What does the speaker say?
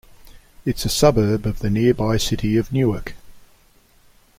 It's a suburb of the nearby city of Newark.